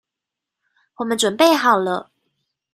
我們準備好了